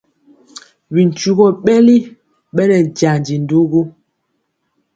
Bi ntugɔ ɓɛli ɓɛ nɛ jandi ndugu.